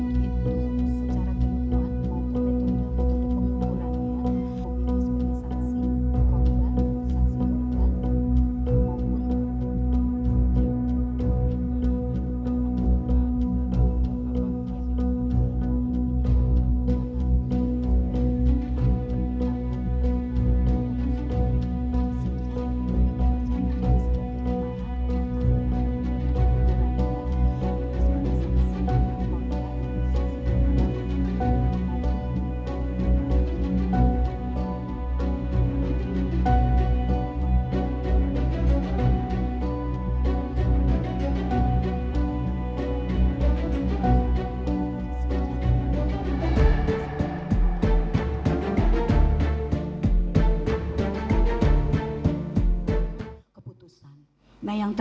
pertanyaan pertama bagaimana cara membuatnya